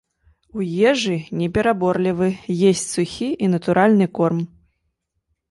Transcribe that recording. У ежы не пераборлівы, есць сухі і натуральны корм.